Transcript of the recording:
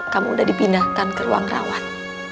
kamu udah dipindahkan ke ruang rawat